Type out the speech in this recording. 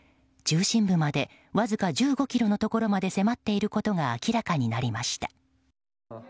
中心部までわずか１５ｋｍのところまで迫っていることが明らかになりました。